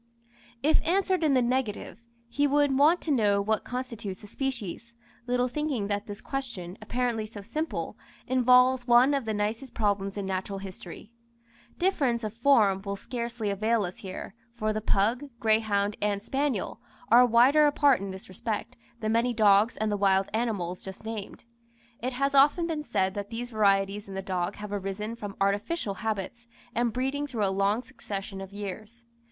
If answered in the negative, he would want to know what constitutes a species, little thinking that this question, apparently so simple, involves one of the nicest problems in natural history. Difference of form will scarcely avail us here, for the pug, greyhound, and spaniel, are wider apart in this respect, than many dogs and the wild animals just named. It has often been said that these varieties in the dog have arisen from artificial habits and breeding through a long succession of years.